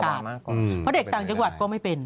เพราะเด็กต่างจังหวัดก็ไม่เป็น